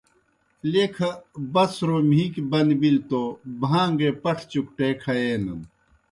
لیکھہ بڅَھرو مِھیکی بن بلیْ توْ بھان٘گے پٹھہ چُکٹے کھیَینَن۔